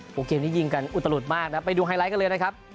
เกมนี้ยิงกันอุตลุดมากนะไปดูไฮไลท์กันเลยนะครับ